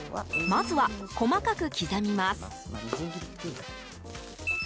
まずは細かく刻みます。